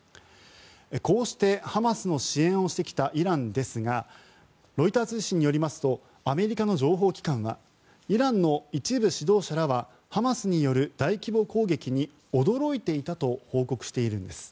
こうしてハマスの支援をしてきたイランですがロイター通信によりますとアメリカの情報機関はイランの一部指導者らはハマスによる大規模攻撃に驚いていたと報告してるんです。